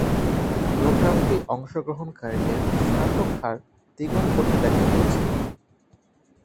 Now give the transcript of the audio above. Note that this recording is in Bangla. প্রোগ্রামটি অংশগ্রহণকারীদের স্নাতক হার দ্বিগুণ করতে দেখা গেছে।